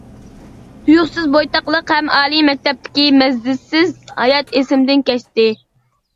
تۇيۇقسىز بويتاقلىق ھەم ئالىي مەكتەپتىكى مەززىسىز ھايات ئېسىمدىن كەچتى.